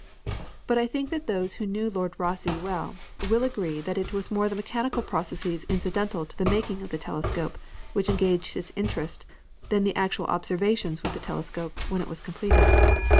But I think that those who knew Lord Rosse well, will agree that it was more the mechanical processes incidental to the making of the telescope which engaged his interest than the actual observations with the telescope when it was completed.